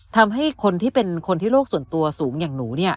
ทำให้คนที่เป็นคนที่โลกส่วนตัวสูงอย่างหนู